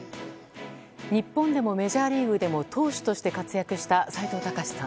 日本でも、メジャーリーグでも投手として活躍した斎藤隆さん。